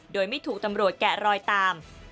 โดยไม่ถูกตำรวจแกะรอยตาม